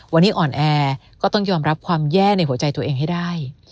วันนี้อ่อนแอก็ต้องยอมรับความแย่ในหัวใจตัวเองให้ได้